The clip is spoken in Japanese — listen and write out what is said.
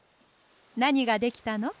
なにができたの？